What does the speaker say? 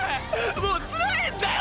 もう辛いんだよ